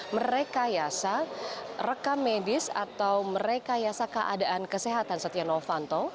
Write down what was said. merekayasa rekam medis atau merekayasa keadaan kesehatan setia novanto